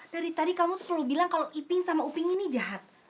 dari tadi kamu selalu bilang kalau iping sama uping ini jahat